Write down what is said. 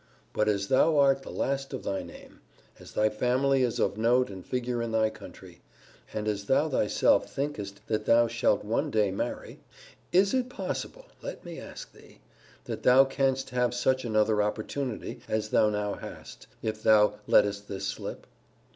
But, as thou art the last of thy name; as thy family is of note and figure in thy country; and as thou thyself thinkest that thou shalt one day marry: Is it possible, let me ask thee, that thou canst have such another opportunity as thou now hast, if thou lettest this slip?